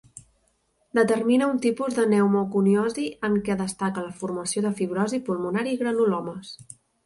Determina un tipus de pneumoconiosi en què destaca la formació de fibrosi pulmonar i granulomes.